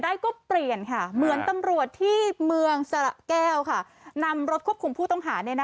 ได้ก็เปลี่ยนค่ะเหมือนตำรวจที่เมืองสระแก้วค่ะนำรถควบคุมผู้ต้องหา